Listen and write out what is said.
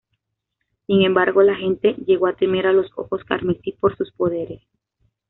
Sin embargo, la gente llegó a temer a los Ojos Carmesí por sus poderes.